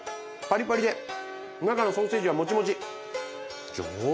パリパリで中のソーセージはもちもち！